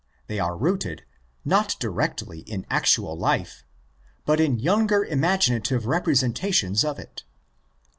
They are rooted, not directly in actual life, but in younger imaginative representations of it.